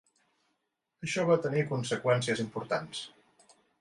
Això va tenir conseqüències importants.